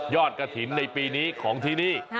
กระถิ่นในปีนี้ของที่นี่